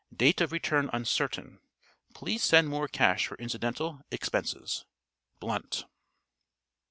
Date of return uncertain. Please send more cash for incidental expenses. Blunt."